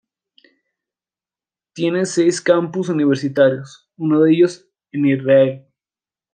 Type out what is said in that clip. Tiene seis campus universitarios, uno de ellos en Israel.